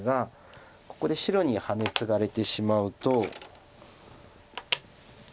ここで白にハネツガれてしまうと。